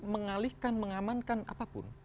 mengalihkan mengamankan apapun